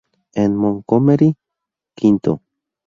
En "Montgomery" v.